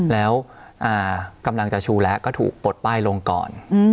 แล้วกำลังจะชูแล้วก็ถูกปลดป้ายลงก่อน